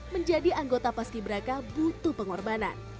menjadi anggota pas ki braka butuh pengorbanan